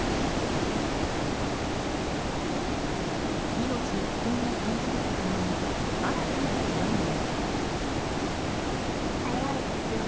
命の危険を感じると共に新たな不安も。